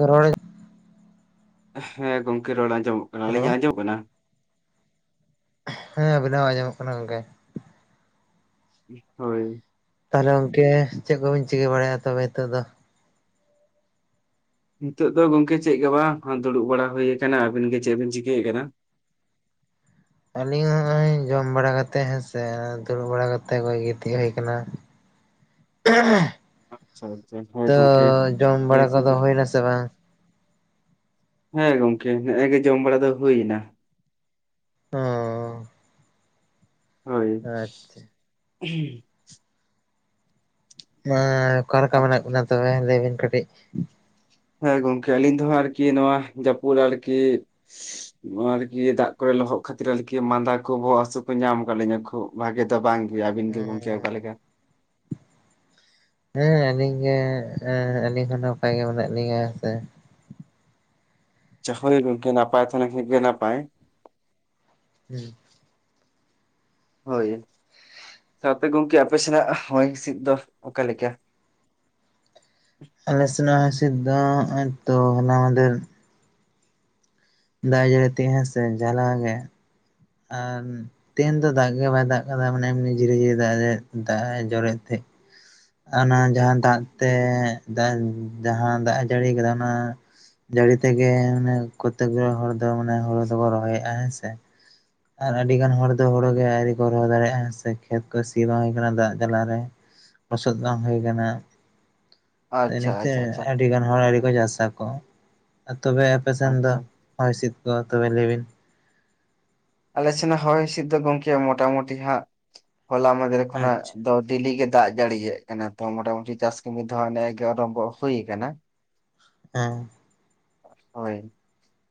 ᱜᱚ ᱨᱚᱲ ᱦᱮᱸ ᱜᱚᱢᱠᱮ ᱨᱚᱲ ᱟᱸᱡᱚᱢᱚᱜ ᱠᱟᱱᱟ ᱦᱮᱞᱳ ᱟᱞᱤᱧᱟᱜ ᱟᱸᱡᱚᱢ ᱠᱟᱱᱟ? ᱦᱮᱸ ᱟᱵᱤᱱᱟᱜ ᱟᱸᱡᱚᱢᱚᱜ ᱠᱟᱱᱟ ᱜᱚᱝᱠᱮ᱾ ᱦᱳᱭ᱾ ᱛᱟᱦᱚᱞᱮ ᱜᱚᱝᱠᱮ ᱪᱮᱫ ᱠᱚᱵᱤᱱ ᱪᱤᱠᱟᱹ ᱵᱟᱲᱟᱭᱮᱜᱼᱟ ᱛᱚᱵᱮ ᱱᱤᱛᱚᱜ ᱫᱚ? ᱱᱤᱛᱚᱜ ᱫᱚ ᱜᱚᱝᱠᱮ ᱪᱮᱫ ᱜᱮ ᱵᱟᱝ ᱫᱩᱲᱩᱵ ᱵᱟᱲᱟ ᱦᱩᱭ ᱠᱟᱱᱟ ᱟᱵᱤᱱ ᱜᱮ ᱪᱮᱫ ᱵᱤᱱ ᱪᱤᱠᱟᱹᱭᱮᱫ ᱠᱟᱱᱟ᱾ ᱟᱹᱞᱤᱧ ᱱᱚᱜ ᱚᱭ ᱡᱚᱢ ᱵᱟᱲᱟ ᱠᱟᱛᱮ ᱦᱮᱸᱥᱮ ᱫᱩᱲᱩᱵ ᱵᱟᱲᱟ ᱠᱟᱛᱮ ᱜᱚᱡ ᱜᱤᱛᱤᱡ ᱦᱩᱭ ᱠᱟᱱᱟ᱾ [unintelligible] ᱟᱪᱪᱷᱟ ᱟᱪᱪᱷᱟ ᱦᱳᱭ ᱛᱚ ᱜᱚᱝᱠᱮ ᱡᱚᱢ ᱵᱟᱲᱟ ᱠᱚᱫᱚ ᱦᱳᱭᱱᱟ ᱥᱮ ᱵᱟᱝ᱾ ᱦᱮᱸ ᱜᱚᱝᱠᱮ ᱱᱮᱜ ᱮᱜᱮ ᱡᱚᱢ ᱵᱟᱲᱟ ᱫᱚ ᱦᱩᱭᱱᱟ᱾ ᱚ ᱦᱳᱭ ᱟᱪᱪᱷᱟ [inaudible] ᱚᱠᱟ ᱞᱮᱠᱟ ᱟᱪᱪᱷᱟ ᱢᱮᱱᱟᱜ ᱵᱤᱱᱟ ᱛᱚᱵᱮ ᱞᱟᱹᱭ ᱵᱤᱱ ᱠᱟᱹᱴᱤᱡ᱾ ᱦᱮᱸ ᱜᱚᱝᱠᱮ ᱟᱞᱤᱧ ᱫᱚ ᱟᱨᱠᱤ ᱱᱚᱣᱟ ᱡᱟᱹᱯᱩᱫ ᱟᱨᱠᱤᱼᱼ ᱟᱨᱠᱤ ᱫᱟᱜ ᱠᱚᱨᱮ ᱞᱚᱦᱚᱫ ᱠᱷᱟᱹᱛᱤᱨ ᱟᱨᱠᱤ ᱢᱟᱸᱫᱟ ᱠᱚ ᱵᱚᱦᱚᱜ ᱦᱟᱹᱥᱩ ᱠᱚ ᱧᱟᱢ ᱠᱟᱫ ᱞᱤᱧᱟᱹ ᱠᱷᱳᱵ ᱵᱷᱟᱜᱮ ᱫᱚ ᱵᱟᱝ ᱜᱮᱭᱟ ᱟᱹᱵᱤᱱ ᱜᱮ ᱜᱚᱝᱠᱮᱭ ᱚᱠᱟ ᱞᱮᱠᱟ? ᱦᱮᱸ ᱟᱹᱞᱤᱧ ᱜᱮ ᱟᱹᱞᱤᱧ ᱦᱚᱸ ᱱᱟᱯᱟᱭ ᱜᱮ ᱢᱮᱱᱟᱜ ᱞᱤᱧᱟᱹ ᱦᱮᱸ ᱥᱮ [inaudible] ᱦᱳᱭ ᱜᱚᱝᱠᱮ ᱱᱟᱯᱟᱭ ᱛᱟᱦᱮ ᱞᱮᱱᱠᱷᱟᱱ ᱜᱮ ᱱᱟᱯᱟᱭ᱾ ᱦᱩᱸ ᱦᱳᱭ ᱥᱟᱶᱛᱮ ᱜᱚᱝᱠᱮ ᱟᱯᱮ ᱥᱮᱱᱟᱜ ᱦᱚᱭ ᱦᱤᱥᱤᱫ ᱫᱚ ᱚᱠᱟ ᱞᱮᱠᱟ᱾ ᱟᱞᱮ ᱥᱮᱱᱟᱜ ᱦᱚᱭ ᱦᱤᱥᱤᱫ ᱫᱚ, ᱦᱚᱜ-ᱚᱭ ᱛᱚ ᱦᱚᱞᱟ ᱢᱟᱫᱷᱮᱨ ᱫᱟᱜ-ᱮ ᱡᱟᱹᱲᱤᱭᱮᱫ ᱛᱤᱜ ᱦᱮᱸ ᱥᱮ ᱡᱷᱟᱞᱟᱣ ᱜᱮ, ᱟᱨ ᱜᱮᱦᱮᱱ ᱫᱚ ᱫᱟᱜ ᱜᱮ ᱵᱟᱭ ᱫᱟᱜ ᱠᱟᱫᱟ, ᱢᱟᱱᱮ ᱮᱢᱱᱤ ᱡᱷᱤᱨᱤ ᱡᱷᱤᱨᱤ ᱫᱟᱜ ᱮ ᱫᱟᱜ ᱮ ᱡᱚᱨᱚᱭᱮᱫ ᱛᱟᱦᱮᱸ᱾ ᱚᱱᱟ ᱡᱟᱦᱟᱸ ᱫᱟᱜ ᱛᱮ ᱡᱟᱦᱟᱸ ᱫᱟᱜ ᱮ ᱡᱟᱹᱲᱤ ᱠᱟᱫᱟ ᱚᱱᱟ ᱡᱟᱹᱲᱤ ᱛᱮᱜᱮ ᱢᱟᱱᱮ ᱠᱚᱛᱮᱠ ᱫᱚ ᱦᱚᱲ ᱫᱚ ᱢᱟᱱᱮ ᱦᱳᱲᱳ ᱫᱚᱠᱚ ᱨᱚᱦᱚᱭᱮᱫᱼᱟ ᱦᱮᱸ ᱥᱮ᱾ ᱟᱨ ᱟᱹᱰᱤ ᱜᱟᱱ ᱦᱚᱲ ᱫᱚ ᱦᱳᱲᱳᱜᱮ ᱟᱣᱨᱤ ᱠᱚ ᱨᱚᱦᱚᱭ ᱫᱟᱲᱮᱭᱟᱜᱼᱟ, ᱦᱮᱸ ᱥᱮ ᱠᱷᱮᱛ ᱠᱚ ᱥᱤ ᱵᱟᱝ ᱦᱩᱭ ᱠᱟᱱᱟ ᱫᱟᱜ ᱡᱟᱞᱟᱨᱮ᱾ ᱞᱚᱥᱚᱫ ᱵᱟᱝ ᱦᱩᱭ ᱠᱟᱱᱟ᱾ ᱤᱱᱟᱹ ᱟᱪᱪᱷᱟ ᱠᱷᱟᱹᱛᱤᱨ ᱟᱪᱪᱷᱟ ᱟᱪᱪᱷᱟ ᱟᱹᱰᱤᱜᱟᱱ ᱦᱚᱲ ᱟᱹᱣᱨᱤ ᱠᱚ ᱪᱟᱥᱟᱠᱚ, ᱛᱚᱵᱮ ᱟᱯᱮ ᱥᱮᱱ ᱫᱚ? ᱟᱪᱪᱷᱟ ᱦᱚᱭ ᱦᱤᱥᱤᱫ ᱠᱚ ᱛᱚᱵᱮ ᱞᱟᱹᱭ ᱵᱤᱱ? ᱟᱞᱮᱥᱮᱱᱟᱜ ᱦᱚᱭ ᱦᱤᱥᱤᱫᱽ ᱫᱚ ᱜᱚᱢᱠᱮ ᱢᱚᱴᱟᱢᱩᱴᱤ ᱦᱟᱸᱜ, ᱦᱚᱞᱟ ᱢᱟᱫᱷᱮᱨ ᱠᱷᱚᱱᱟᱜ ᱟᱪᱪᱷᱟ ᱫᱚ ᱰᱤᱞᱤ ᱜᱮ ᱫᱟᱜ ᱡᱟᱹᱲᱤᱭᱮᱫ ᱠᱟᱱᱟ ᱛᱚ, ᱢᱚᱴᱟᱢᱩᱴᱤ ᱪᱟᱥ ᱠᱟᱹᱢᱤ ᱫᱚ ᱱᱮᱜ-ᱮ ᱜᱮ ᱟᱨᱚᱢᱵᱷᱚᱜ ᱦᱩᱭ ᱠᱟᱱᱟ᱾ ᱦᱮᱸ, ᱦᱳᱭ,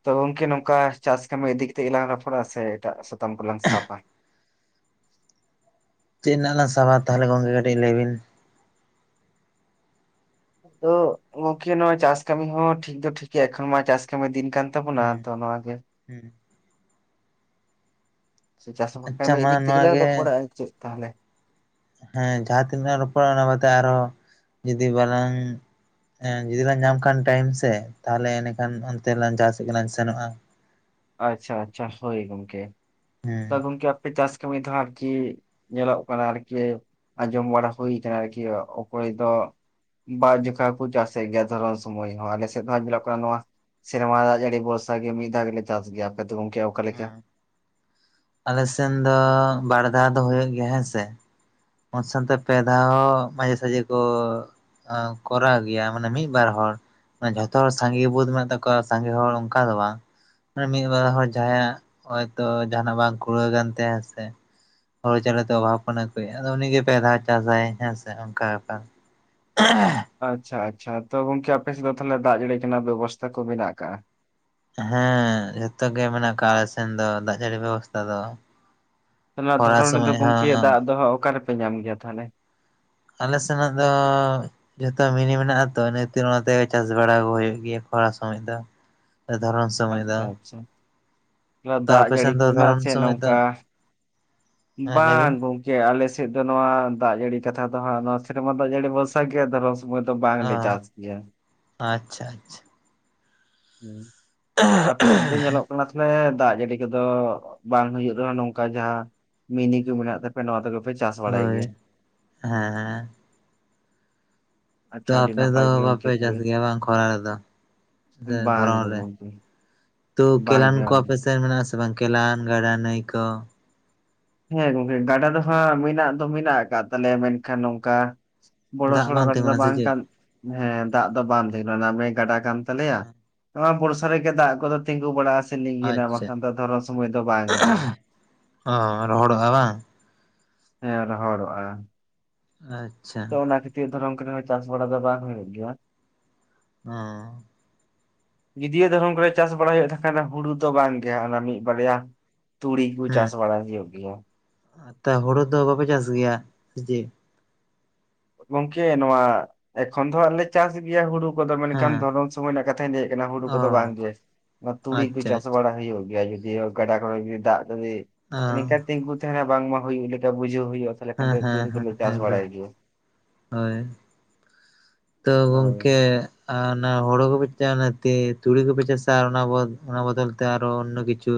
ᱛᱚ ᱜᱚᱝᱠᱮ ᱱᱚᱝᱠᱟ ᱪᱟᱥ ᱠᱟᱹᱢᱤ ᱤᱫᱤ ᱠᱟᱛᱮ ᱜᱮᱞᱟᱝ ᱨᱚᱯᱚᱲᱟ ᱥᱮ ᱮᱴᱟᱜ ᱥᱮᱫ ᱯᱚᱛᱟᱢ ᱠᱚᱞᱟᱝ ᱥᱟᱯᱼᱟ᱾ ᱪᱮᱫ ᱨᱮᱱᱟᱜ ᱞᱟᱝ ᱥᱟᱵᱟ ᱛᱟᱦᱚᱞᱮ ᱜᱚᱝᱠᱮ ᱠᱟᱹᱴᱤᱡ ᱞᱟᱹᱭ ᱵᱤᱱ? ᱛᱚ ᱜᱚᱝᱠᱮ ᱱᱚᱣᱟ ᱪᱟᱥ ᱠᱟᱹᱢᱤ ᱦᱚᱸ ᱴᱷᱤᱠ ᱫᱚ ᱴᱷᱤᱠ ᱜᱮᱭᱟ, ᱮᱠᱷᱚᱱ ᱢᱟ ᱪᱟᱥ ᱠᱟᱹᱢᱤ ᱫᱤᱱ ᱠᱟᱱ᱾ ᱛᱟᱵᱚᱱᱟ ᱦᱩᱸ ᱛᱚ ᱱᱚᱣᱟ ᱜᱮ, ᱦᱮᱸ ᱪᱟᱥ ᱟᱪᱪᱷᱟ ᱠᱟᱹᱢᱤ ᱢᱟ ᱤᱫᱤ ᱠᱟᱛᱮᱫ ᱱᱚᱣᱟ ᱜᱮᱞᱟᱝ ᱜᱮ ᱨᱚᱯᱚᱲᱟ ᱟᱨ ᱪᱮᱫ ᱛᱟᱦᱚᱞᱮ᱾ ᱦᱮᱸ ᱡᱟᱦᱟᱸ ᱛᱤᱱᱟᱹᱜ ᱞᱟᱝ ᱨᱚᱯᱚᱲᱟ ᱚᱱᱟ ᱵᱟᱫ ᱛᱮ ᱟᱨᱦᱚ ᱡᱩᱫᱤ ᱵᱟᱞᱟᱝ ᱡᱩᱫᱤᱞᱟᱝ ᱧᱟᱢ ᱠᱷᱟᱱ ᱴᱟᱭᱤᱢ ᱥᱮ, ᱛᱟᱦᱚᱞᱮ ᱮᱸᱰᱮᱠᱷᱟᱱ ᱚᱱᱛᱮᱞᱟᱝ ᱡᱟᱦᱟᱸ ᱥᱮᱫ ᱜᱮᱞᱟᱝ ᱥᱮᱱᱚᱜᱼᱟ᱾ ᱟᱪᱪᱷᱟ ᱟᱪᱪᱷᱟ, ᱦᱳᱭ ᱜᱚᱝᱠᱮ᱾ ᱦᱮᱸ ᱜᱚᱝᱠᱮ ᱟᱯᱮ ᱪᱟᱥ ᱠᱟᱹᱢᱤ ᱫᱚ ᱦᱟᱸᱜ ᱠᱤ ᱧᱮᱞᱚᱜ ᱠᱟᱱᱟ ᱟᱨᱠᱤ ᱟᱸᱡᱚᱢ ᱵᱟᱲᱟ ᱦᱳᱭ ᱠᱟᱱᱟ ᱟᱨᱠᱤ ᱚᱠᱚᱭ ᱫᱚ ᱵᱟᱨ ᱡᱚᱠᱷᱟ ᱦᱚᱠᱚ ᱪᱟᱥᱮᱫ ᱜᱮᱭᱟ, ᱫᱷᱚᱨᱚᱱ ᱥᱚᱢᱚᱭ ᱦᱚᱸ ᱟᱞᱮ ᱥᱮᱫ ᱦᱚᱸ ᱧᱮᱞᱚᱜ ᱠᱟᱱᱟ ᱱᱚᱣᱟ ᱥᱮᱨᱢᱟ ᱫᱟᱜ ᱡᱟᱲᱤ ᱵᱷᱚᱨᱥᱟ ᱜᱮ ᱢᱤᱫ ᱫᱟᱣ ᱜᱮᱞᱮ ᱪᱟᱥ ᱜᱮᱭᱟ, ᱟᱯᱮ ᱫᱚ ᱜᱚᱝᱠᱮ ᱚᱠᱟ ᱞᱮᱠᱟ? ᱦᱮᱸ, ᱟᱞᱮ ᱥᱮᱱ ᱫᱚ ᱵᱟᱨ ᱫᱷᱟᱣ ᱫᱚ ᱦᱩᱭᱩᱜ ᱜᱮᱭᱟ ᱦᱮᱸ ᱥᱮ᱾ [unintelligible] ᱥᱟᱶᱛᱮ ᱯᱮᱫᱷᱟᱣ ᱢᱟᱡᱮ ᱥᱟᱡᱮ ᱠᱚ ᱠᱚᱨᱟᱣ ᱜᱮᱭᱟ, ᱢᱟᱱᱮ ᱢᱤᱜ-ᱵᱟᱨ ᱦᱚᱲ᱾ ᱡᱷᱚᱛᱚ ᱦᱚᱲ ᱥᱟᱸᱜᱮ ᱵᱚᱫ ᱢᱮᱱᱟᱜ ᱛᱟᱠᱚᱣᱟ, ᱥᱟᱸᱜᱮ ᱦᱚᱲ ᱚᱱᱠᱟ ᱫᱚ ᱵᱟᱝ᱾ ᱢᱤᱫᱵᱟᱨ ᱦᱚᱲ ᱡᱟᱦᱟᱸᱭᱟᱜ ᱦᱚᱭᱛᱚ ᱡᱟᱦᱟᱱᱟᱜ ᱵᱟᱝ ᱠᱩᱲᱟᱹᱣ ᱠᱟᱱ ᱛᱟᱭᱟ ᱦᱮᱸ ᱥᱮ, [unintelligible] ᱟᱫᱚ ᱩᱱᱤ ᱜᱮ ᱯᱮ ᱫᱷᱟᱣ ᱪᱟᱥᱟᱭ, ᱦᱮᱸ ᱥᱮ ᱚᱱᱠᱟ ᱵᱮᱯᱟᱨ᱾ ᱟᱪᱪᱷᱟ ᱟᱪᱪᱷᱟ, ᱛᱚ ᱜᱚᱝᱠᱮ ᱟᱯᱮᱥᱮᱫ ᱫᱚ ᱛᱟᱦᱚᱞᱮ ᱫᱟᱜ ᱡᱟᱹᱲᱤ ᱨᱮᱱᱟᱜ ᱵᱮᱵᱚᱥᱛᱟ ᱠᱚ ᱢᱮᱱᱟᱜ ᱟᱠᱟᱜ-ᱟ? ᱦᱮᱸ ᱡᱷᱚᱛᱚ ᱜᱮ ᱢᱮᱱᱟᱜ ᱠᱟᱜ-ᱟ ᱟᱞᱮ ᱥᱮᱱ ᱫᱚ, ᱫᱟᱜ ᱡᱟᱹᱲᱤ ᱵᱮᱵᱚᱥᱛᱷᱟ ᱫᱚ᱾ ᱚᱱᱟ ᱠᱷᱚᱨᱟ ᱫᱷᱚᱨᱚᱱ ᱨᱮᱫᱚ ᱥᱚᱢᱚᱭ ᱦᱚᱸ ᱜᱚᱝᱠᱮ ᱫᱟᱜ ᱫᱚ ᱦᱟᱸᱜ ᱚᱠᱟ ᱨᱮᱯᱮ ᱧᱟᱢ ᱜᱮᱭᱟ ᱛᱟᱦᱚᱞᱮ? ᱟᱞᱮ ᱥᱮᱱᱟᱜ ᱫᱚ ᱡᱚᱛᱚ ᱢᱤᱱᱤ ᱢᱮᱱᱟᱜ ᱟᱛᱚ ᱤᱱᱟᱹ ᱠᱷᱛᱤᱨ ᱚᱱᱟᱛᱮ ᱜᱮ ᱪᱟᱥ ᱵᱟᱲᱟ ᱠᱚ ᱦᱩᱭᱩᱜ ᱜᱮᱭᱟ ᱠᱷᱚᱨᱟ ᱥᱚᱢᱚᱡ ᱫᱚ᱾ ᱫᱷᱚᱨᱚᱱ ᱥᱚ ᱟᱪᱪᱷᱟ ᱟᱪᱪᱷᱟ, ᱚᱱᱟ ᱛᱚ ᱫᱟᱜ ᱟᱯᱮ ᱡᱟᱹᱲᱤ ᱥᱮᱱ ᱠᱚ ᱫᱚ ᱢᱮᱱᱟᱜ-ᱟ ᱫᱷᱚᱨᱚᱱ ᱥᱮ ᱥᱚᱢᱚᱭ ᱫᱚ ᱱᱚᱝᱠᱟ ᱦᱮᱸ ᱞᱟᱹᱭ ᱵᱟᱝ, ᱵᱤᱱ ᱜᱚᱝᱠ ᱜᱮ ᱟᱞᱮᱥᱮᱫ ᱫᱚ ᱱᱚᱣᱟ ᱫᱟᱜ ᱡᱟᱹᱲᱤ ᱠᱟᱛᱷᱟ ᱫᱚ ᱦᱟᱸᱜ, ᱱᱚᱣᱟ ᱥᱮᱨᱢᱟ ᱫᱟᱜ ᱡᱟᱹᱲᱤ ᱵᱷᱚᱨᱥᱟ ᱜᱮ ᱟᱫᱚ ᱨᱥ ᱥᱚᱢᱚᱭ ᱫᱚ ᱚ ᱵᱟᱝᱞᱮ ᱪᱟᱥ ᱜᱮᱭᱟ᱾ ᱟᱪᱪᱷᱟ, ᱟᱪᱪᱷᱟ᱾ ᱦᱩᱸ, ᱟᱯᱮ ᱥᱮᱫ ᱫᱚ ᱧᱮᱞᱚᱠ ᱠᱟᱱᱟ ᱛᱚ ᱢᱟᱱᱮ ᱫᱟᱜ ᱡᱟᱹᱲᱤ ᱠᱚᱫᱚ ᱵᱟᱝ ᱦᱩᱭᱩᱜ ᱨᱮᱦᱚᱸ, ᱱᱚᱝᱠᱟ ᱡᱟᱦᱟᱸ ᱢᱤᱱᱤ ᱠᱚ ᱢᱮᱱᱟᱜ ᱛᱟᱠᱚ ᱱᱚᱣᱟ ᱛᱮᱜᱮ ᱯᱮ ᱪᱟᱥ ᱵᱟᱲᱟᱭ ᱦᱳᱭ ᱜᱮᱭᱟ᱾ ᱦᱮᱸ ᱟᱪᱪᱷᱟ ᱛᱚ ᱟᱹᱰᱤ ᱟᱯᱮ ᱱᱟᱯᱟᱭ ᱫᱚ ᱜᱮ ᱜᱚᱝᱠᱮ ᱵᱟᱯᱮ ᱛᱟᱦᱚᱞᱮ ᱪᱟᱥ ᱜᱮᱭᱟ ᱵᱟᱝ ᱠᱷᱚᱨᱟ ᱨᱮᱫᱚ? ᱥᱮ ᱵᱟᱝ ᱫᱷᱚᱨᱚᱱ ᱜᱮ ᱨᱮ ᱜᱚᱝᱠᱮ᱾ ᱛᱚ ᱵᱟᱝ ᱠᱮᱞᱟᱱ ᱜᱮ ᱠᱚ ᱵᱟᱝ ᱜᱮ ᱟᱯᱮᱥᱮᱫ ᱢᱮᱱᱟᱜ ᱟᱥᱮ ᱵᱟᱝ ᱠᱮᱞᱟᱱ, ᱜᱟᱰᱟ, ᱱᱟᱹᱭ ᱠᱚ? ᱦᱮᱸ ᱜᱚᱝᱠᱮ ᱜᱟᱰᱟ ᱫᱚ ᱦᱟᱸᱜ ᱢᱮᱱᱟᱜ ᱫᱚ ᱢᱮᱱᱟᱜ ᱟᱠᱟᱫ ᱛᱟᱞᱮᱭᱟ ᱢᱮᱱᱠᱷᱟᱱ ᱱᱚᱝᱠᱟ ᱵᱚᱲᱚ ᱫᱟᱜ ᱥᱚᱲᱚ ᱠᱟᱰᱟ ᱫᱚ ᱛᱤᱸᱜᱩᱱᱟ ᱥᱮ ᱵᱟᱝ ᱪᱮᱫ ᱠᱟᱱ ᱦᱮᱸ ᱫᱟᱜ ᱫᱚ ᱵᱟᱝ ᱛᱟᱦᱮᱸᱱᱟ ᱱᱟᱢᱮ ᱜᱟᱰᱟ ᱠᱟᱱ ᱛᱟᱞᱮᱭᱟ, ᱱᱚᱭᱟ ᱵᱚᱨᱥᱟ ᱨᱮ ᱜᱮ ᱫᱟᱜ ᱠᱚᱫᱚ ᱛᱤᱸᱜᱩ ᱵᱟᱲᱟᱜ-ᱟ ᱥᱮ ᱞᱤᱜᱤᱱᱟ ᱟᱪᱪᱷᱟ ᱵᱟᱠᱷᱟᱱ ᱫᱚ ᱫᱷᱚᱨᱚᱢ ᱥᱚᱢᱚᱭ ᱫᱚ ᱵᱟᱝ ᱜᱮ ᱾ ᱚ ᱨᱚᱦᱚᱲᱚᱜᱼᱟ ᱵᱟᱝ? ᱦᱮᱸ ᱨᱚᱦᱚᱲᱚᱜᱼᱟ ᱾ ᱟᱪᱪᱷᱟ ᱛᱚ ᱚᱱᱟ ᱠᱷᱟᱹᱛᱤᱨ ᱫᱷᱚᱨᱚᱢ ᱠᱚᱨᱮ ᱦᱚᱸ ᱪᱟᱥ ᱵᱟᱲᱟ ᱫᱚ ᱵᱟᱝ ᱦᱩᱭᱩᱜ ᱜᱮᱭᱟ ᱾ ᱚᱻ ᱡᱩᱫᱤᱭᱚ ᱫᱷᱚᱨᱚᱢ ᱠᱚᱨᱮ ᱪᱟᱥ ᱵᱟᱲᱟᱭ ᱦᱩᱭᱩᱜ-ᱟ ᱛᱟᱦᱮ ᱠᱷᱟᱱ ᱦᱩᱲᱩ ᱫᱚ ᱵᱟᱝ ᱜᱮ ᱦᱟᱸᱜ ᱚᱱᱟ ᱢᱤᱫ ᱵᱟᱨᱭᱟ ᱛᱩᱲᱤ ᱠᱚ ᱦᱩᱸ ᱪᱟᱥ ᱵᱟᱲᱟᱭ ᱦᱩᱭᱳᱜ ᱜᱮᱭᱟ ᱾ ᱛᱟ ᱦᱳᱲᱳ ᱫᱚ ᱵᱟᱯᱮ ᱪᱟᱥ ᱜᱮᱭᱟ ᱫᱮ ᱪᱮᱜ? ᱜᱚᱝᱠᱮ ᱱᱚᱣᱟ ᱮᱠᱷᱚᱱ ᱫᱚ ᱦᱟᱸᱜ ᱞᱮ ᱪᱟᱥ ᱜᱮᱭᱟ ᱦᱩᱲᱩ ᱠᱚᱫᱚ ᱢᱮᱱᱠᱷᱟᱱ ᱦᱮᱸ ᱫᱷᱚᱨᱚᱢ ᱥᱚᱢᱚᱭ ᱨᱮᱱᱟᱜ ᱠᱟᱛᱷᱟᱧ ᱞᱟᱹᱭᱮᱫ ᱠᱟᱱᱟ ᱦᱩᱲᱩ ᱠᱚᱫᱚ ᱵᱟᱝ ᱚ ᱜᱮ ᱾ ᱛᱩᱲᱤ ᱠᱚ ᱟᱪᱪᱷᱟ ᱪᱟᱥ ᱟᱪᱪᱷᱟ ᱵᱟᱲᱟ ᱦᱩᱭᱳᱜ ᱜᱮᱭᱟ ᱡᱩᱫᱤᱣ ᱜᱟᱰᱟ ᱠᱚᱨᱮ ᱦᱚᱸ ᱡᱩᱤ ᱫᱟᱜ ᱡᱩᱫᱤ ᱚ ᱱᱤᱝᱠᱟ ᱛᱤᱸᱜᱩ ᱛᱟᱸᱦᱮᱱᱟ ᱵᱟᱝᱢᱟ ᱦᱩᱭᱩᱜ ᱞᱮᱠᱟ ᱵᱩᱡᱷᱟᱹᱣ ᱦᱩᱭᱩᱜᱼᱟ, ᱛᱟᱦᱞᱮ ᱠᱷᱟᱱ ᱦᱮᱸ ᱫᱚ ᱦᱮᱸ ᱛᱩᱲᱤ ᱠᱚ ᱦᱮᱸ ᱞᱮ ᱪᱟᱥ ᱮᱠᱫᱚᱢ ᱵᱟᱲᱟᱭ ᱜᱮᱭᱟ ᱾ ᱦᱳᱭ᱾ ᱛᱚ ᱦᱳᱭ ᱜᱚᱝᱠᱮ ᱟᱨ ᱚᱱᱟ ᱦᱳᱲᱳ ᱠᱚᱯᱮ ᱪᱟ ᱚᱱᱟ ᱛᱤ ᱛᱩᱲᱤ ᱠᱚᱯᱮ ᱪᱟᱥᱟ ᱟᱨ ᱚᱱᱟ ᱵᱚᱫ ᱚᱱᱟ ᱵᱚᱫᱚᱞ ᱛᱮ ᱟᱨᱚ ᱚᱱᱱᱳ ᱠᱤᱪᱷᱩ,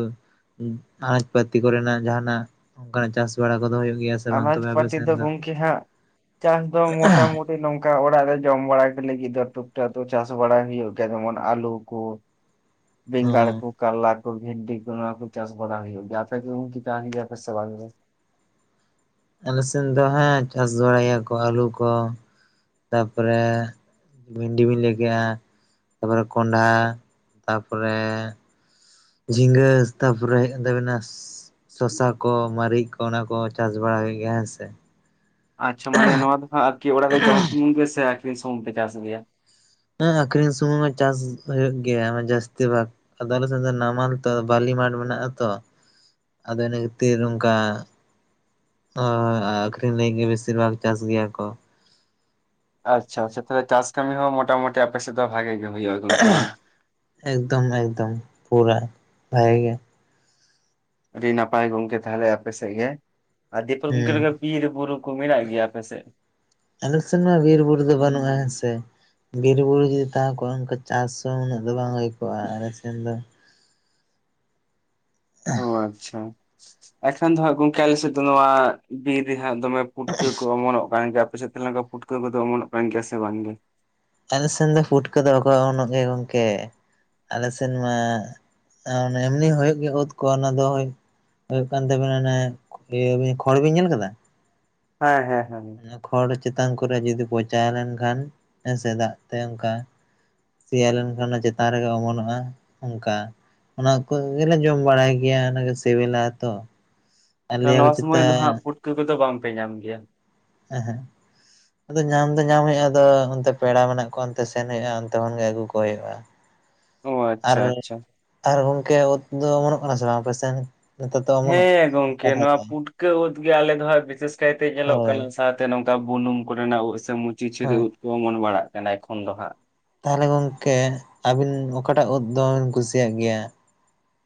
ᱟᱱᱟᱪ ᱯᱟᱹᱛᱤ ᱠᱚᱨᱮᱱᱟᱜ ᱡᱟᱦᱱᱟᱜ ᱚᱱᱠᱟᱱᱟᱜ ᱪᱟᱥ ᱵᱟᱲᱟ ᱠᱚᱫᱚ ᱦᱳᱭᱳᱜ ᱜᱮᱭᱟ? ᱥᱮ ᱵᱟᱝ ᱟᱱᱟᱡ ᱛᱚᱵᱮ ᱟᱯᱮ ᱯᱟᱹᱛᱤ ᱥᱮᱱ ᱫᱚ ᱜᱚᱝᱠᱮ ᱦᱟᱸᱜ ᱪᱟᱥ ᱫᱚ ᱢᱚᱴᱟᱢᱚ ᱴᱤ ᱱᱚᱝᱠᱟ ᱚᱲᱟᱜ ᱨᱮ ᱡᱚᱢ ᱵᱟᱲᱟᱭ ᱞᱟᱹᱜᱤᱫ ᱫᱚ ᱴᱩᱠᱴᱟᱠ ᱫᱚ ᱪᱟᱥ ᱵᱟᱲᱟᱭ ᱦᱩᱭᱩᱜ ᱜᱮᱭᱟ ᱡᱮᱢᱚᱱ ᱟᱞᱩ ᱠᱚ᱾ [inaudible] ᱵᱮᱜᱟᱲ ᱦᱮᱸ ᱠᱚ, ᱠᱟᱞᱞᱟ ᱠᱚ, ᱵᱷᱮᱱᱰᱤ ᱠᱚ ᱱᱚᱭᱟ ᱠᱚ ᱪᱟᱥ ᱵᱟᱲᱟ ᱦᱚᱭᱩᱜ ᱜᱮᱭᱟ, ᱟᱯᱮ ᱠᱤ ᱜᱚᱝᱠᱮ ᱪᱟᱥ ᱜᱮᱭᱟ ᱯᱮ ᱫᱮ ᱵᱟᱝ ᱜᱮ? ᱟᱞᱮ ᱥᱮᱱ ᱫᱚ ᱦᱮᱸ ᱪᱟᱥ ᱵᱟᱲᱟᱭ ᱜᱮᱭᱟ ᱠᱚ ᱟᱹᱞᱩ ᱠᱚ ᱛᱟᱨᱯᱚᱨᱮ ᱵᱷᱮᱱᱰᱤ ᱵᱤᱱ ᱞᱟᱹᱭ ᱠᱮᱜ-ᱟ ᱛᱟᱯᱚᱨᱮ ᱠᱚᱸᱰᱷᱟ ᱛᱟᱯᱚᱨᱮ ᱡᱷᱤᱸᱜᱟᱹ ᱛᱟᱯᱚᱨᱮ ᱦᱚᱭᱩᱜ ᱠᱟᱱ ᱛᱟᱵᱤᱱᱟ ᱥᱚᱥᱟ ᱠᱚ, ᱢᱟᱨᱤᱪ ᱠᱚ ᱚᱱᱟ ᱠᱚ ᱪᱟᱥ ᱵᱟᱲᱟᱭ ᱦᱩᱭᱩᱜ ᱜᱮᱭᱟ ᱦᱮᱸ ᱥᱮ ᱾ ᱟᱪᱪᱷᱟ ᱢᱟᱱᱮ ᱱᱚᱣᱟ ᱫᱚ ᱦᱟᱸᱜ ᱟᱨᱠᱤ ᱚᱲᱟᱜ ᱨᱮ ᱢᱩᱢ ᱫᱩᱢᱩᱝ ᱜᱮ ᱥᱮ ᱟᱠᱷᱨᱤᱧ ᱥᱟᱢᱩᱝ ᱯᱮ ᱪᱟᱥ ᱜᱮᱭᱟ? ᱦᱮᱸ ᱟᱠᱷᱨᱤᱧ ᱥᱩᱢᱚᱝ ᱦᱚᱸ ᱪᱟᱥ ᱦᱩᱭᱩᱜ ᱜᱮᱭᱟ ᱡᱟᱹᱥᱛᱤ ᱫᱚ ᱵᱟ ᱾ ᱟᱫᱚ ᱟᱞᱮᱥᱮᱱ ᱫᱚ ᱱᱟᱢᱟᱞ ᱛᱚ ᱵᱟᱞᱤ ᱢᱟᱴᱷ ᱢᱮᱱᱟᱜ-ᱟ ᱛᱚ᱾ ᱟᱫᱚ ᱤᱱᱟᱹ ᱠᱷᱟᱛᱤᱨ ᱱᱚᱝᱠᱟ ᱚ ᱟᱠᱷᱨᱤᱧ ᱞᱟᱹᱜᱤᱫ ᱜᱮ ᱵᱤᱥᱤᱨ ᱵᱷᱟᱜᱽ ᱪᱟᱥ ᱜᱮᱭᱟ ᱠᱚ ᱾ ᱟᱪᱪᱷᱟ ᱟᱪᱪᱷᱟ ᱛᱟᱦᱚᱞᱮ ᱪᱟᱥ ᱠᱟᱹᱢᱤ ᱦᱚᱸ ᱢᱚᱴᱟᱢᱩᱴᱤ ᱟᱯᱮ ᱥᱮᱫ ᱫᱚ ᱵᱷᱟᱜᱮ ᱜᱮ ᱦᱩᱭᱩᱜᱼᱟ ᱜᱚᱝᱠᱮ ᱵᱟᱝ? ᱮᱠᱫᱚᱢ ᱮᱠᱫᱚᱢ ᱯᱩᱨᱟ ᱵᱷᱟᱜᱮ ᱜᱮ ᱾ ᱟᱹᱰᱤ ᱱᱟᱯᱟᱭ ᱜᱚᱝᱠᱮ ᱛᱟᱦᱚᱞᱮ ᱟᱯᱮ ᱥᱮᱜ ᱜᱮ ᱾ ᱫᱤᱭᱮᱯᱚᱨ ᱜᱚᱝᱠᱮ ᱦᱩᱸ ᱚᱱᱠᱟ ᱵᱤᱨ ᱵᱩᱨᱩ ᱠᱚ ᱢᱮᱱᱟᱜ ᱜᱮᱭᱟ ᱟᱯᱮ ᱥᱮᱫ? ᱟᱞᱮ ᱥᱮᱱ ᱢᱟ ᱵᱤᱨ ᱵᱩᱨᱩ ᱫᱚ ᱵᱟᱹᱱᱩᱜᱼᱟ ᱦᱮᱸ ᱥᱮ ᱵᱤᱨᱵᱩᱨᱩ ᱡᱩᱫᱤ ᱛᱟᱦᱮᱸ ᱠᱚᱜᱼᱟ ᱚᱱᱠᱟ ᱪᱟᱥ ᱦᱚᱸ ᱩᱱᱟᱹᱜ ᱫᱚ ᱵᱟᱝ ᱦᱩᱭᱠᱚᱜᱼᱟ ᱟᱞᱮ ᱥᱮᱱ ᱫᱚ ᱾ ᱚ ᱟᱪᱪᱷᱟ ᱮᱠᱷᱟᱱ ᱫᱚ ᱦᱟᱜ ᱜᱚᱝᱠᱮ ᱟᱞᱮ ᱥᱮ ᱫᱚ ᱱᱚᱣᱟ ᱵᱤᱨ ᱨᱮᱦᱟᱸᱜ ᱫᱚᱢᱮ ᱯᱩᱴᱠᱟᱹ ᱠᱚ ᱚᱢᱚᱱᱚᱜ ᱠᱟᱱ ᱜᱮᱭᱟ, ᱟᱯᱮ ᱥᱮᱫ ᱛᱟᱦᱞᱮ ᱱᱚᱝᱠᱟ ᱯᱩᱴᱠᱟᱹ ᱠᱚᱫᱚ ᱚᱢᱚᱱᱚᱜ ᱠᱟᱱ ᱜᱮᱭᱟ ᱥᱮ ᱵᱟᱝ ᱜᱮ? ᱟᱞᱮ ᱥᱮᱱ ᱫᱚ ᱯᱩᱴᱠᱟᱹ ᱫᱚ ᱵᱟᱠᱚ ᱚᱢᱚᱱᱚᱜ ᱜᱮᱭᱟ ᱜᱚᱝᱠᱮ ᱟᱞᱮ ᱥᱮᱱ ᱢᱟ ᱟᱸ ᱚᱱᱮ ᱮᱢᱱᱤ ᱦᱩᱭᱩᱜ ᱜᱮᱭᱟ ᱩᱫ ᱠᱚ ᱚᱱᱟ ᱫᱚ ᱦᱳᱭ ᱦᱩᱭᱩᱜ ᱠᱟᱱ ᱛᱟᱵᱤᱱᱟ ᱚᱱᱮ ᱤᱭᱟᱹᱵᱤ ᱠᱷᱚᱸᱲ ᱵᱤᱱ ᱧᱮᱞ ᱠᱟᱫᱟ? ᱦᱮᱸ ᱦᱮᱸ ᱦᱟᱱᱤ ᱠᱷᱚᱲ ᱪᱮᱛᱟᱱ ᱠᱚᱨᱮ ᱡᱩᱫᱤ ᱯᱚᱪᱟ ᱞᱮᱱᱠᱷᱟᱱ ᱦᱮᱸ ᱥᱮ ᱫᱟᱜ ᱛᱮ ᱚᱝᱠᱟ ᱥᱮᱭᱟ ᱞᱮᱱᱠᱷᱟᱱ ᱚᱱᱟ ᱪᱮᱛᱟᱱ ᱨᱮᱜᱮ ᱚᱢᱚᱱᱚᱜᱼᱟ ᱚᱝᱠᱟ᱾ ᱚᱱᱟ ᱠᱚᱜᱮᱞᱮ ᱡᱚᱢ ᱵᱟᱲᱟᱭ ᱜᱮᱭᱟ ᱚᱱᱟᱜᱮ ᱥᱮᱵᱮᱞᱟ ᱛᱚ ᱟᱨᱞᱮᱭᱟ ᱠᱚ ᱪᱮᱛᱟ ᱠᱟᱹ ᱠᱚᱫᱚ ᱵᱟᱝᱯᱮ ᱧᱟᱢ ᱜᱮᱭᱟ? ᱮᱸᱦᱮᱸᱜ᱾ ᱟᱫᱚ ᱧᱟᱢ ᱫᱚ ᱧᱟᱢ ᱦᱩᱭᱩᱜᱼᱟ ᱟᱫᱚ ᱚᱱᱛᱮ ᱯᱮᱲᱟ ᱢᱮᱱᱟᱜ ᱠᱚᱣᱟ ᱚᱱᱛᱮ ᱥᱮᱱ ᱦᱩᱭᱩᱜᱼᱟ ᱚᱱᱛᱮ ᱠᱷᱚᱱᱜᱮ ᱟᱹᱜᱩ ᱠᱚ ᱦᱩᱭᱩᱜᱼᱟ ᱾ ᱚ ᱟᱨ, ᱟᱪᱪᱷᱟ ᱟᱪᱪᱷᱟ ᱟᱨ ᱜᱚᱝᱠᱮ ᱩᱫ ᱫᱚ ᱚᱢᱚᱱᱚᱜ ᱠᱟᱱᱟ ᱥᱮ ᱵᱟᱝ ᱟᱯᱮ ᱥᱮᱱ? ᱱᱮᱛᱟᱨ ᱫᱚ ᱚᱢᱚᱱᱚᱜ ᱦᱮᱸ ᱜᱚᱝᱠᱮ ᱱᱚᱣᱟ ᱯᱩᱴᱠᱟᱹ ᱩᱫ ᱜᱮ ᱟᱞᱮ ᱫᱚ ᱦᱟᱸᱜ ᱵᱤᱥᱮᱥ ᱠᱟᱭᱛᱮ ᱧᱮᱞᱚᱜ ᱦᱳᱭ ᱠᱟᱱᱟ ᱥᱟᱛ ᱛᱮ ᱱᱚᱝᱠᱟ ᱵᱩᱱᱩᱢ ᱠᱚᱨᱮᱱᱟᱜ ᱩᱫ ᱥᱮ ᱢᱩᱪᱤᱪᱷᱤᱨᱤ ᱦᱳᱭ ᱩᱫ ᱠᱚ ᱚᱢᱚᱱ ᱵᱟᱲᱟᱜ ᱠᱟᱱᱟ ᱮᱠᱷᱚᱱ ᱫᱚ ᱦᱟᱸᱜ ᱾ ᱛᱟᱦᱚᱞᱮ ᱜᱚᱝᱠᱮ ᱟᱹᱵᱤᱱ ᱚᱠᱟᱴᱟᱜ ᱩᱫ ᱫᱚᱢᱮᱵᱤᱱ ᱠᱩᱥᱤᱭᱟᱜ ᱜᱮᱭᱟ?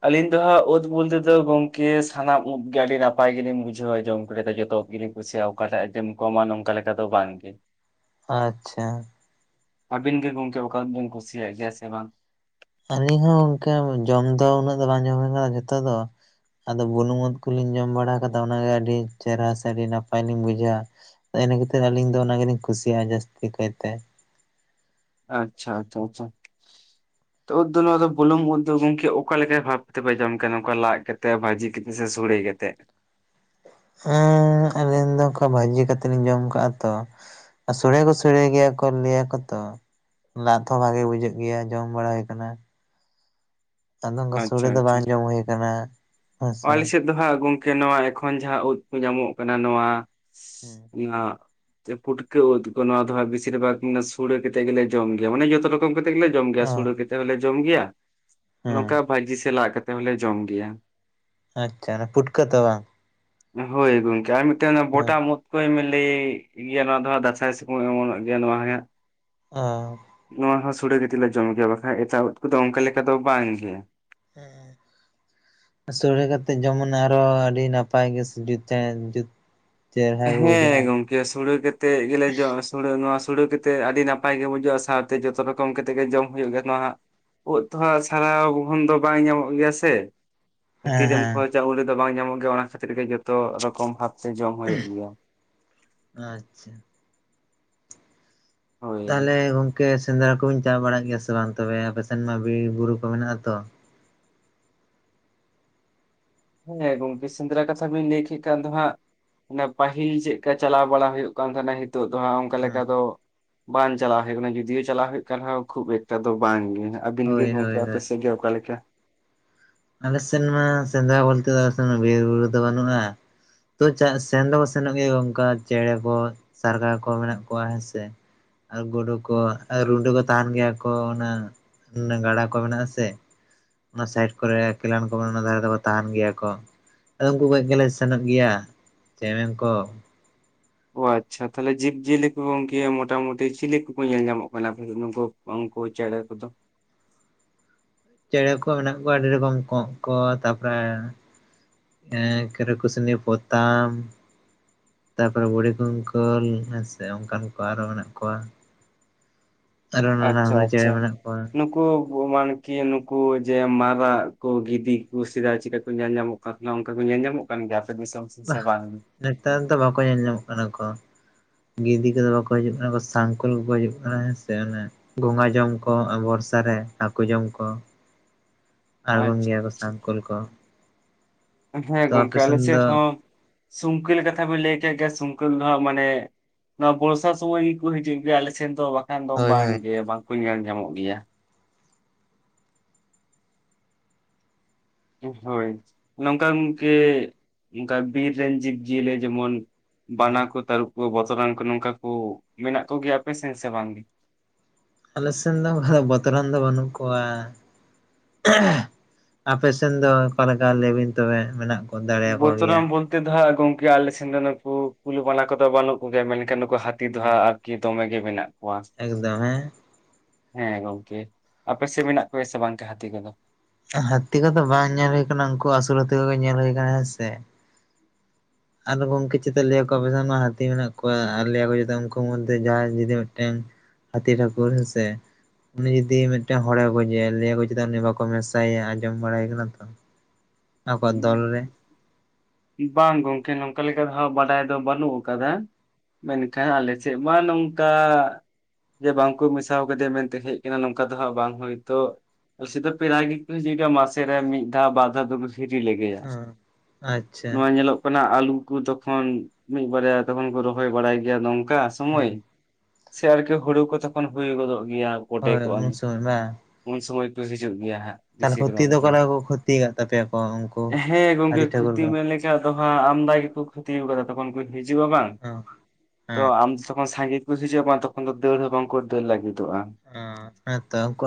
ᱟᱞᱤᱧ ᱫᱚ ᱦᱟᱸᱜ ᱩᱫ ᱵᱚᱞᱛᱮ ᱫᱚ ᱜᱚᱝᱠᱮ ᱥᱟᱱᱟᱢ ᱩᱫ ᱜᱮ ᱟᱹᱰᱤ ᱱᱟᱯᱟᱭ ᱜᱮᱞᱤᱧ ᱵᱩᱡᱷᱟᱹᱣᱟ ᱡᱚᱢ ᱠᱚᱨᱮᱫᱚ ᱡᱚᱛᱚ ᱜᱮᱞᱤᱧ ᱵᱩ ᱥᱮ ᱚᱠᱟᱴᱟᱜ ᱟᱭᱴᱮᱢ ᱠᱚᱢᱟ ᱱᱚᱝᱠᱟ ᱞᱮᱠᱟ ᱫᱚ ᱵᱟᱝ ᱜᱮ ᱾ ᱟᱪᱪᱷᱟ᱾ ᱟᱹᱵᱤᱱ ᱜᱮ ᱜᱚᱝᱠᱮ [inaudible] ᱵᱤᱱ ᱠᱩᱥᱤᱭᱟᱜ ᱜᱮᱭᱟ ᱥᱮ ᱵᱟᱝ? ᱟᱹᱞᱤᱧ ᱦᱚᱸ ᱚᱝᱠᱮ ᱡᱚᱢ ᱫᱚ ᱩᱱᱟᱹᱜ ᱫᱚ ᱵᱟᱝ ᱡᱚᱢ ᱦᱩᱭ ᱠᱟᱱᱟ ᱡᱚᱛᱚ ᱫᱚ ᱾ ᱟᱫᱚ ᱵᱩᱱᱩᱢ ᱩᱫ ᱠᱚᱞᱤᱧ ᱡᱚᱢ ᱵᱟᱲᱟ ᱠᱟᱫᱟ ᱚᱱᱟᱜᱮ ᱟᱹᱰᱤ ᱪᱮᱨᱦᱟ ᱥᱮ ᱟᱹᱰᱤ ᱱᱟᱯᱟᱭ ᱞᱤᱧ ᱵᱩᱡᱷᱟᱹᱣᱟ ᱾ ᱛᱚ ᱤᱱᱟᱹ ᱠᱷᱟᱹᱛᱤᱨ ᱟᱹᱞᱤᱧ ᱫᱚ ᱚᱱᱟ ᱜᱮᱧᱤᱧ ᱠᱩᱥᱤᱭᱟᱜᱼᱟ ᱡᱟᱹᱥᱛᱤ ᱠᱟᱭᱛᱮ᱾ ᱟᱪᱪᱷᱟ ᱟᱪᱪᱷᱟ ᱟᱪᱪᱷᱟ᱾ ᱛᱚ ᱩᱫ ᱫᱚ ᱱᱚᱣᱟ ᱫᱚ ᱵᱩᱞᱩᱝ ᱩᱫ ᱫᱚ ᱜᱚᱝᱠᱮ ᱚᱠᱟ ᱞᱮᱠᱟ ᱵᱷᱟᱵᱽ ᱛᱮᱯᱮ ᱡᱚᱢ ᱠᱟᱱᱟ ᱱᱚᱝᱠᱟ ᱞᱟᱡ ᱠᱟᱛᱮᱫ ᱵᱷᱟᱹᱡᱤ ᱠᱟᱛᱮᱜ ᱥᱮ ᱥᱚᱲᱮ ᱠᱟᱛᱮᱫ? ᱦᱮᱸ ᱟᱹᱞᱤᱧ ᱫᱚ ᱚᱝᱠᱟ ᱵᱷᱟᱹᱡᱤ ᱠᱟᱛᱮᱫ ᱞᱤᱧ ᱡᱚᱢ ᱠᱟᱜᱼᱟ ᱛᱚ ᱾ ᱟᱨ ᱥᱚᱲᱮ ᱦᱚᱸᱠᱚ ᱥᱚᱲᱮ ᱜᱮᱭᱟ ᱠᱚ ᱞᱟᱹᱭᱟ ᱠᱚ ᱛᱚ ᱾ ᱞᱟᱫ ᱦᱚᱸ ᱵᱷᱟᱜᱮ ᱵᱩᱡᱷᱟᱹᱜ ᱜᱮᱭᱟ ᱡᱚᱢ ᱵᱟᱲᱟ ᱦᱩᱭ ᱠᱟᱱᱟ ᱾ ᱟᱫᱚ ᱚᱝᱠᱟ ᱥᱚᱲᱮ ᱫᱚ ᱵᱟᱝ ᱡᱚᱢ ᱦᱩᱭ ᱠᱟᱱᱟ ᱾ ᱚ ᱟᱞᱮᱥᱮᱫ ᱫᱚ ᱦᱟᱸᱜ ᱜᱚᱝᱠᱮ ᱱᱚᱣᱟ ᱮᱠᱷᱚᱱ ᱡᱟᱦᱟᱸ ᱩᱫ ᱠᱚ ᱧᱟᱢᱚᱜ ᱠᱟᱱᱟ ᱱᱚᱣᱟ ᱦᱩᱸ ᱚᱱᱟ ᱪᱮ ᱯᱩᱴᱠᱟᱹ ᱩᱫ ᱠᱚ ᱱᱚᱣᱟ ᱫᱚ ᱦᱟᱸᱜ ᱵᱤᱥᱤᱨ ᱵᱷᱟᱜᱽ ᱢᱟᱱᱮ ᱥᱳᱲᱮ ᱠᱟᱛᱮᱜ ᱜᱮᱞᱮ ᱡᱚᱢ ᱜᱮᱭᱟ ᱢᱟᱱᱮ ᱡᱚᱛᱚ ᱨᱚᱠᱚᱢ ᱠᱟᱛᱮᱜ ᱜᱮᱞᱮ ᱡᱚᱢ ᱜᱮᱭᱟ ᱚ ᱥᱩᱲᱮ ᱠᱟᱛᱮ ᱦᱚᱸᱞᱮ ᱡᱚᱢ ᱜᱮᱭᱟ ᱱᱚᱝᱠᱟ ᱦᱮᱸ ᱵᱷᱟᱹᱡᱤ ᱥᱮ ᱞᱟᱜ ᱠᱟᱛᱮ ᱦᱚᱞᱮ ᱡᱚᱢ ᱜᱮᱭᱟ ᱾ ᱟᱪᱪᱷᱟ ᱚᱱᱟ ᱯᱩᱴᱠᱟᱹ ᱛᱚ ᱵᱟᱝ? ᱦᱳᱭ ᱜᱚᱝᱠᱮ ᱟᱨ ᱢᱤᱫᱴᱮᱜ ᱚᱱᱟ ᱦᱮᱸ ᱵᱚᱴᱟᱢ ᱩᱫ᱾ ᱦᱳᱭᱮᱢ ᱞᱮᱭᱮᱜ ᱜᱮᱭᱟ ᱱᱚᱣᱟ ᱫᱚ ᱦᱟᱸᱜ ᱫᱟᱸᱥᱟᱭ ᱥᱚᱢᱚᱭ ᱚᱢᱚᱱᱚᱜ ᱜᱮᱭᱟ ᱱᱚᱣᱟ ᱦᱚᱸᱭᱟᱸᱜ ᱟ ᱱᱚᱣᱟ ᱦᱚᱸ ᱥᱳᱲᱮ ᱠᱟᱛᱮᱜ ᱞᱮ ᱡᱚᱢ ᱜᱮᱭᱟ ᱵᱟᱠᱷᱟᱡ ᱮᱴᱟᱜ ᱩᱫ ᱠᱚᱫᱚ ᱚᱝᱠᱟ ᱞᱮᱠᱟ ᱫᱚ ᱵᱟᱝ ᱜᱮ ᱾ ᱦᱮᱸ᱾ ᱥᱚᱲᱮ ᱠᱟᱛᱮᱫ ᱡᱮᱢᱚᱱ ᱟᱨᱚ ᱟᱹᱰᱤ ᱱᱟᱯᱟᱭ ᱜᱮ [inaudible] ᱡᱩᱛ ᱪᱮᱨᱦᱟ ᱜᱮ ᱦᱮᱸ ᱵᱩᱡᱷᱟᱹᱜᱼᱟ ᱜᱚᱝᱠᱮ ᱥᱳᱲᱮ ᱠᱟᱛᱮᱜ ᱜᱮᱞᱮ ᱡᱚᱢ ᱥᱳᱲᱮ ᱱᱚᱣᱟ ᱥᱳᱲᱮ ᱠᱟᱛᱮᱜ ᱟᱹᱰᱤ ᱱᱟᱯᱟᱭ ᱜᱮ ᱵᱩᱡᱷᱟᱜ-ᱟ ᱥᱟᱶᱛᱮ ᱡᱚᱛᱚ ᱨᱚᱠᱚᱢ ᱠᱟᱛᱮᱜ ᱜᱮ ᱡᱚᱢ ᱦᱩᱭᱩᱜ ᱜᱮᱭᱟ ᱱᱚᱣᱟ ᱦᱟᱸᱜ ᱳᱫ ᱛᱚ ᱦᱸᱟᱜ ᱥᱟᱨᱟᱣ ᱜᱚᱦᱚᱱ ᱫᱚ ᱵᱟᱝ ᱧᱟᱢᱚᱜ ᱜᱮᱭᱟ ᱥᱮ᱾ ᱦᱮᱸ ᱛᱤᱨᱮᱢ ᱦᱮᱸ ᱠᱷᱚᱡᱟ ᱩᱱ ᱨᱮᱫᱚ ᱵᱟᱝ ᱧᱟᱢᱚᱜ ᱜᱮᱭᱟ ᱚᱱᱟ ᱠᱷᱟᱹᱛᱤᱨ ᱜᱮ ᱡᱚᱛᱚ ᱨᱚᱠᱚᱢ ᱵᱷᱟᱵ ᱛᱮ ᱡᱚᱢ ᱦᱩᱭᱩᱜ-ᱟ ᱾ ᱟᱪᱪᱷᱟ᱾ ᱦᱳᱭ ᱛᱟᱦᱚᱞᱮ ᱜᱚᱝᱠᱮ ᱥᱮᱸᱫᱽᱨᱟ ᱠᱚᱵᱮᱱ ᱪᱟ ᱵᱟᱲᱟᱜ ᱜᱮᱭᱟ ᱥᱮ ᱵᱟᱝ ᱛᱚᱵᱮ ᱟᱯᱮ ᱥᱮᱱ ᱢᱟ ᱵᱤᱨ ᱵᱩᱨᱩ ᱠᱚ ᱢᱮᱱᱟᱜ-ᱟ ᱛᱚ ᱾ ᱦᱮᱸ ᱜᱚᱝᱠᱮ ᱥᱮᱸᱫᱽᱨᱟ ᱠᱟᱛᱷᱟ ᱵᱤᱱ ᱞᱟᱹᱭ ᱠᱮᱫ ᱠᱷᱟᱱ ᱫᱚ ᱦᱟᱸᱜ ᱚᱱᱮ ᱯᱟᱹᱦᱤᱞ ᱪᱮᱫ ᱠᱟ ᱪᱟᱞᱟᱣ ᱵᱟᱲᱟ, ᱦᱳᱭᱳᱜ ᱠᱟᱱ ᱛᱟᱦᱮᱱᱟ, ᱱᱤᱛᱚᱜ ᱫᱚ ᱦᱟᱸᱜ ᱚᱱᱠᱟ ᱦᱮᱸ ᱞᱮᱠᱟ ᱫᱚ ᱵᱟᱝ ᱪᱟᱞᱟᱣ ᱦᱳᱭᱳᱜ ᱠᱟᱱᱟ, ᱡᱩᱫᱤᱭᱳ ᱪᱟᱞᱟᱣ ᱦᱳᱭᱳᱜ ᱠᱟᱱ ᱦᱚ, ᱠᱷᱩᱵ ᱮᱠᱴᱟ ᱫᱚ ᱵᱟᱝ ᱜᱮ ᱦᱟᱜ ᱾ ᱟᱵᱤᱱ ᱜᱮ ᱦᱳᱭ ᱜᱚᱝᱠᱮ, ᱦᱳᱭ ᱟᱯᱮ ᱦᱳᱭ ᱥᱮᱜ ᱜᱮ ᱚᱠᱟ ᱞᱮᱠᱟ? ᱟᱞᱮ ᱥᱮᱱ ᱢᱟ ᱥᱮᱸᱫᱽᱨᱟ ᱵᱚᱞᱛᱮ ᱫᱚ, ᱟᱞᱮ ᱥᱮᱱ ᱵᱤᱨ-ᱵᱩᱨᱩ ᱫᱚ ᱵᱟᱱᱩᱜ-ᱟ ᱾ ᱛᱚ ᱪᱟᱜ ᱥᱮᱱ ᱫᱚᱠᱚ ᱥᱮᱱᱚᱜ ᱜᱮᱭᱟ, ᱚᱱᱠᱟ ᱪᱮᱬᱮ ᱠᱚ ᱥᱟᱨᱜᱟ ᱠᱚ ᱢᱮᱱᱟᱜ ᱠᱚᱣᱟ ᱦᱮ ᱥᱮ ᱾ ᱟᱨ ᱜᱳᱰᱳ ᱠᱚ, ᱟᱨ ᱨᱩᱰᱩ ᱠᱚ, ᱛᱟᱦᱮᱱ ᱜᱮᱭᱟ ᱠᱚ ᱚᱱᱟ ᱚᱱᱟ ᱜᱟᱰᱟ ᱠᱚ ᱢᱮᱱᱟᱜ-ᱟ ᱥᱮ, ᱚᱱᱟ ᱥᱟᱭᱤᱰ᱾ ᱠᱚᱨᱮ ᱠᱮᱞᱟᱱ ᱠᱚ ᱚᱱᱟ ᱫᱷᱟᱨᱮ ᱫᱚᱠᱚ, ᱛᱟᱦᱮᱱ ᱜᱮᱭᱟ ᱠᱚ ᱾ ᱟᱫᱚ ᱩᱱᱠᱩ ᱜᱚᱡ ᱜᱮᱞᱮ ᱥᱮᱱᱚᱜ ᱜᱮᱭᱟ, ᱪᱮᱬᱮ ᱠᱚ᱾ ᱚ ᱟᱪᱪᱷᱟ ᱛᱟᱦᱚᱞᱮ ᱡᱤᱵᱽ ᱡᱤᱭᱟᱹᱞᱤ ᱠᱚ, ᱜᱚᱝᱠᱮ ᱢᱚᱴᱟ ᱢᱩᱴᱤ ᱪᱤᱞᱤ ᱠᱩᱠᱩ ᱧᱮᱞ ᱧᱟᱢᱚᱜ ᱠᱟᱱᱟ? ᱱᱩᱠᱩ ᱩᱱᱠᱩ ᱪᱮᱬᱮ ᱠᱚᱫᱚ? ᱪᱮᱬᱮ ᱠᱚ ᱢᱮᱱᱟᱜ ᱠᱚᱣᱟ, ᱟᱹᱰᱤ ᱨᱚᱠᱚᱢ ᱠᱚᱸᱜ ᱠᱚ, ᱛᱟᱯᱚᱨᱮ ᱮᱸ ᱠᱮᱨᱚ ᱠᱤᱥᱱᱤ ᱯᱚᱛᱟᱢ᱾ ᱛᱟᱯᱚᱨᱮ ᱵᱩᱲᱦᱤ ᱠᱩᱝᱠᱟᱹᱞ ᱦᱮᱸ ᱥᱮ, ᱚᱱᱠᱟᱱ ᱠᱚ ᱟᱨᱚ ᱢᱮᱱᱟᱜ ᱠᱚᱣᱟ ᱾ [unintelligible] [inaudible] ᱟᱨᱚ ᱱᱟᱱᱟ ᱟᱪᱪᱷᱟ ᱦᱩᱱᱟᱹᱨ ᱪᱮᱬᱮ ᱟᱪᱪᱷᱟ ᱢᱮᱱᱟᱜ ᱠᱚᱣᱟ ᱾ ᱱᱩᱠᱩ ᱢᱟᱱᱠᱤ ᱱᱩᱠᱩ ᱡᱮ ᱢᱟᱨᱟᱜ ᱠᱩ, ᱜᱤᱫᱤ ᱠᱩ ᱥᱮᱫᱟᱭ ᱪᱤᱜᱠᱟ ᱠᱚ ᱧᱮᱞ ᱧᱟᱢᱚᱜ ᱚᱱᱠᱟ ᱠᱚ ᱧᱮᱞ ᱧᱟᱢᱚᱜ ᱠᱟᱱ ᱜᱮᱭᱟ, ᱟᱯᱮ ᱫᱤᱥᱚᱢ ᱥᱮᱱ ᱥᱮ ᱵᱟᱝ? ᱱᱮᱛᱟᱨ ᱫᱚ ᱵᱟᱠᱚ ᱧᱮᱞ ᱧᱟᱢᱚᱜ ᱠᱟᱱᱟ ᱠᱚ ᱾ ᱜᱤᱫᱤ ᱠᱚᱫᱚ ᱵᱟᱠᱚ ᱦᱤᱡᱩᱜ ᱠᱟᱱᱟ, ᱥᱟᱝᱠᱚᱞ ᱠᱚᱠᱚ ᱦᱤᱡᱩᱜ ᱠᱟᱱᱟ ᱦᱮᱸ ᱥᱮ, ᱚᱱᱮ ᱜᱚᱸᱝᱜᱟ ᱡᱚᱢ ᱠᱚ ᱵᱚᱨᱥᱟ ᱨᱮ, ᱦᱟᱠᱳ ᱡᱚᱢ ᱠᱚ ᱾ ᱟᱪᱪᱷᱟ, ᱟᱪᱪᱷᱟ, ᱥᱟᱝᱠᱳᱞ ᱠᱚ ᱦᱮᱸ ᱛᱚ ᱟᱯᱮ ᱜᱚᱝᱠᱮ ᱟᱞᱮ ᱥᱮᱱ ᱥᱮᱫ ᱫᱚ ᱦᱚᱸ ᱥᱩᱝᱠᱟᱹᱞ ᱠᱟᱛᱷᱟ ᱵᱤᱱ ᱞᱟᱹᱭ ᱠᱮᱫ, ᱜᱮ ᱥᱩᱝᱠᱟᱹᱞ ᱫᱚ ᱦᱟᱸᱜ ᱢᱟᱱᱮ ᱱᱚᱣᱟ ᱵᱚᱨᱥᱟ ᱥᱩᱚᱢᱚᱭ ᱜᱮᱠᱚ ᱦᱤᱡᱩᱜ ᱜᱮᱭᱟ, ᱟᱞᱮ ᱥᱮᱱ ᱫᱚ ᱵᱟᱠᱷᱟᱱ ᱫᱚ, ᱦᱳᱭ ᱵᱟᱝ ᱦᱳᱭ ᱜᱮ ᱵᱟᱝ ᱠᱚ ᱧᱮᱞ ᱧᱟᱢᱚᱜ ᱜᱮᱭᱟ ᱾ ᱦᱳᱭ ᱱᱚᱝᱠᱟ ᱜᱚᱝᱠᱮ ᱚᱱᱠᱟ ᱵᱤᱨ ᱨᱮᱱ, ᱡᱤᱵᱽ ᱡᱤᱭᱟᱹᱞᱤ ᱡᱮᱢᱚᱱ ᱵᱟᱱᱟ ᱦᱩᱸ ᱠᱚ ᱛᱟᱹᱨᱩᱵ ᱠᱚ, ᱵᱚᱛᱚᱨᱟᱱ ᱠᱚ ᱱᱚᱝᱠᱟ ᱠᱚ, ᱢᱮᱱᱟᱜ ᱠᱚᱜᱮᱭᱟ ᱟᱯᱮ ᱥᱮᱱ ᱥᱮ ᱵᱟᱝ ᱜᱮ? ᱟᱞᱮ ᱥᱮᱱ ᱫᱚ ᱚᱱᱠᱟ ᱫᱚ, ᱵᱚᱛᱚᱨᱟᱱ ᱫᱚ ᱵᱟᱹᱱᱩᱜ ᱠᱚᱣᱟ ᱾ ᱟᱯᱮ ᱥᱮᱱ ᱫᱚ ᱚᱠᱟ ᱞᱮᱠᱟ, ᱞᱟᱹᱭ ᱵᱤᱱ ᱛᱚᱵᱮ ᱢᱮᱱᱟᱜ ᱠᱚᱣᱟ᱾ ᱵᱚᱛᱚᱨᱟᱱ ᱵᱚᱞᱛᱮ ᱫᱚ ᱦᱟᱸᱜ, ᱜᱚᱝᱠᱮ ᱟᱞᱮ ᱥᱮᱱ ᱫᱚ ᱱᱩᱠᱩ ᱠᱩᱞᱤ ᱵᱟᱱᱟ ᱠᱚᱫᱚ ᱵᱟᱹᱱᱩᱜ ᱠᱚᱜᱮᱭᱟ ᱢᱮᱱᱠᱷᱟᱱ ᱱᱩᱠᱩ ᱦᱟ ᱦᱟᱹᱛᱤ ᱫᱚ ᱦᱩᱸ ᱦᱟᱜ ᱟᱨᱠᱤ ᱫᱚᱢᱮ ᱜᱮ, ᱢᱮᱱᱟᱜ ᱠᱚᱣᱟ? ᱮᱠᱫᱚᱢ ᱦᱮᱸ᱾ ᱦᱮᱸ ᱜᱚᱝᱠᱮ ᱟᱯᱮ ᱥᱮᱜ, ᱢᱮᱱᱟᱜ ᱠᱚ ᱜᱮᱭᱟ ᱥᱮ ᱵᱟᱝ ᱦᱟᱹᱛᱤ ᱠᱚᱫᱚ? ᱦᱟᱹᱛᱤ ᱠᱚᱫᱚ ᱵᱟᱝ ᱧᱮᱞ ᱦᱩᱭ ᱠᱟᱱᱟ, ᱩᱱᱠᱩ ᱟᱥᱩᱞ ᱦᱟᱹᱛᱤ ᱠᱚᱜᱮ ᱧᱮᱞ ᱦᱳᱭ ᱠᱟᱱᱟ, ᱦᱮᱸ ᱥᱮ᱾ ᱟᱨᱫᱚ ᱜᱚᱢᱠᱮ ᱪᱮᱛᱟ ᱞᱟᱹᱭ ᱟᱠᱚ, ᱟᱯᱮ ᱥᱮ ᱢᱟ ᱦᱟᱛᱤ ᱢᱮᱱᱟᱜ ᱠᱚᱣᱟ, ᱟᱨ ᱞᱟᱹᱭᱟᱠᱚ ᱪᱮᱛᱟ ᱞᱟᱹᱭ ᱟᱠᱚ ᱢᱚᱫᱽᱫᱷᱮ ᱡᱟᱦᱟᱸᱭ ᱢᱤᱫᱴᱮᱱ ᱦᱟᱛᱤ ᱴᱷᱟᱠᱩᱨ ᱦᱮᱥᱮ᱾ ᱩᱱᱤ ᱡᱩᱫᱤ ᱢᱤᱫ ᱴᱮᱱ ᱦᱚᱲᱮ ᱜᱚᱡᱭᱟ, ᱞᱟᱹᱭ ᱭᱟᱠᱚ ᱪᱮᱫᱟ ᱩᱱᱤ ᱵᱟᱠᱚ ᱢᱮᱥᱟᱭᱮᱭᱟ, ᱟᱸᱡᱚᱢ ᱵᱟᱲᱟᱭᱮ ᱠᱟᱱᱟ ᱛᱚ ᱾ ᱟᱠᱚᱣᱟᱜ ᱫᱚᱞ ᱨᱮ ᱾ ᱵᱟᱝ ᱜᱚᱝᱠᱮ ᱱᱚᱝᱠᱟ ᱞᱮᱠᱟ ᱫᱚ ᱦᱟᱸᱜ ᱵᱟᱰᱟᱭ ᱫᱚ ᱵᱟᱹᱱᱩᱜ ᱠᱟᱫᱟ ᱾ ᱢᱮᱱᱠᱷᱟᱱ ᱟᱞᱮ ᱥᱮᱫ ᱢᱟ ᱱᱚᱝᱠᱟ᱾ ᱡᱮ ᱵᱟᱝᱠᱚ ᱢᱮᱥᱟ ᱠᱟᱫᱮᱭᱟ ᱢᱮᱱᱛᱮ ᱦᱮᱡ ᱠᱟᱱᱟ, ᱱᱚᱝᱠᱟ ᱫᱚ ᱦᱟᱸᱜ ᱵᱟᱝ ᱦᱚᱭᱛᱚ ᱟᱞᱮ ᱥᱮᱫ ᱫᱚ ᱯᱮᱲᱟ ᱜᱮᱠᱚ ᱦᱤᱡᱩᱜ ᱜᱤᱭᱟ, ᱢᱟᱥᱮ ᱨᱮ ᱢᱤᱫ ᱫᱷᱟᱣ ᱵᱟᱨ ᱫᱷᱟᱣ ᱫᱚ᱾ ᱦᱤᱨᱤ ᱞᱮ ᱜᱮᱭᱟ ᱾ ᱦᱚ ᱟᱪ ᱱᱚᱣᱟ ᱧᱮᱞᱚᱜ ᱠᱟᱱᱟ ᱟᱞᱩ ᱠᱚ, ᱛᱚᱠᱷᱚᱱ ᱢᱤᱫ ᱵᱟᱨᱭᱟ ᱛᱚᱠᱷᱚᱱ ᱠᱚ, ᱨᱚᱦᱚᱭ ᱵᱟᱲᱟᱭ ᱜᱮᱭᱟ ᱱᱚᱝᱠᱟ᱾ ᱦᱩᱸ ᱥᱚᱢᱚᱭ ᱥᱮ ᱟᱨᱠᱤ ᱦᱳᱲᱩ ᱠᱚ ᱛᱚᱠᱷᱚᱱ ᱦᱳᱭ ᱜᱚᱫᱚᱜ ᱜᱮᱭᱟ, ᱯᱚᱴᱮ ᱦᱳᱭ ᱠᱚᱜᱼᱟ᱾ ᱩᱱ ᱥᱚᱢᱚᱭ ᱵᱟᱝ ᱩᱱ ᱥᱚᱢᱚᱭ ᱯᱮ ᱦᱤᱡᱩᱜ ᱜᱮᱭᱟ ᱦᱟᱸᱜ᱾ ᱛᱟᱦᱚᱞᱮ ᱵᱮᱥᱤᱨ ᱠᱷᱚᱛᱤ ᱵᱷᱟᱜ ᱫᱚ, ᱚᱠᱟ ᱞᱮᱠᱟ ᱠᱚ ᱠᱷᱚᱛᱤ ᱟᱠᱟᱫ ᱛᱟᱯᱮᱭᱟᱠᱚ ᱩᱱᱠᱩ ᱦᱮᱸ ᱜᱚᱝᱠᱮ ᱦᱟᱹᱛᱤ ᱴᱷᱟᱹᱠᱩᱨ ᱠᱷᱩᱛᱤ ᱠᱚ [unintelligible] ᱟᱫᱚ ᱦᱟᱸᱜ ᱟᱢᱫᱟ ᱜᱮᱠᱚ ᱠᱷᱩᱛᱤ ᱟᱠᱟᱫᱟ ᱛᱚᱠᱷᱚᱱ ᱠᱚ ᱦᱤᱡᱩᱜᱼᱟ ᱵᱟᱝ᱾ ᱚ ᱛᱚ ᱟᱢ ᱡᱚᱠᱷᱚᱱ ᱥᱟᱸᱜᱮ ᱠᱚ ᱦᱤᱡᱩᱜ-ᱟ ᱵᱟᱝ ᱛᱚᱠᱷᱚᱱ ᱫᱚ ᱫᱟᱹᱲ ᱦᱚᱸ ᱵᱟᱝ ᱠᱚ ᱫᱟᱹᱲ ᱞᱟᱜᱤᱫᱚᱜᱼᱟ᱾ ᱚ ᱦᱮᱸ ᱛᱚ ᱩᱱᱠᱩ